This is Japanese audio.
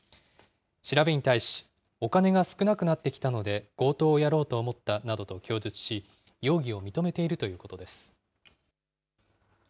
調べに対し、お金が少なくなってきたので強盗をやろうと思ったなどと供述し、容疑を認めているということです。